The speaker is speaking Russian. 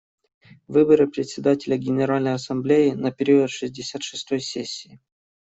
Выборы Председателя Генеральной Ассамблеи на период шестьдесят шестой сессии.